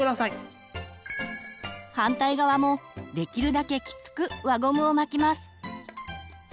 反対側もできるだけきつく輪ゴムを巻きます。